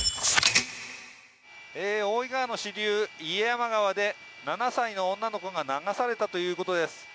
大井川の支流、家山川で７歳の女の子が流されたということです。